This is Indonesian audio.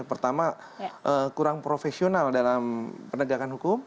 pertama kurang profesional dalam penegakan hukum